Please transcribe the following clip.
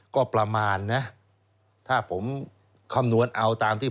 ก็ประมาณนะถ้าผมคำนวณเอาตามที่